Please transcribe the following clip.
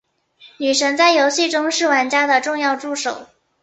女神在游戏中是玩家的重要助手。